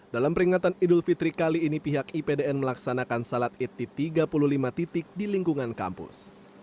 dalam peringatan idul fitri kali ini pihak ipdn melaksanakan salat id di tiga puluh lima titik di lingkungan kampus